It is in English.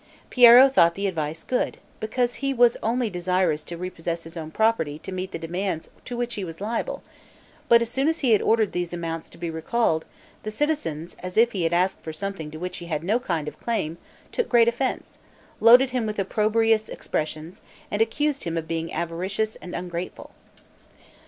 Piero thought the advice good, because he was only desirous to repossess his own property to meet the demands to which he was liable; but as soon as he had ordered those amounts to be recalled, the citizens, as if he had asked for something to which he had no kind of claim, took great offense, loaded him with opprobrious expressions, and accused him of being avaricious and ungrateful.